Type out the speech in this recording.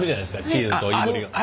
チーズといぶりがっこ。